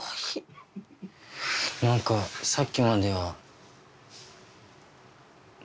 何かさっきまでは。